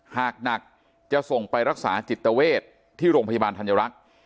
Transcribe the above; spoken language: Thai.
หากหนักจะส่งไปรักษาจิตเวทที่โรงพยาบาลธัญรักษ์